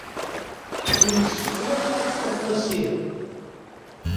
Ur yessefk ara ad tesṛuḥed assirem.